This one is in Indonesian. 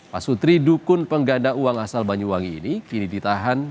pak sutri dukun pengganda uang asal banyuwangi ini kini ditahankan